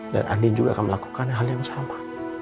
dan andin juga akan melakukan hal yang sama